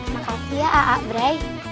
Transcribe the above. makasih ya a'a' bre